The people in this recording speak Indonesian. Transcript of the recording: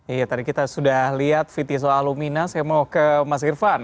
iya tadi kita sudah lihat viti soal lumina saya mau ke mas irvan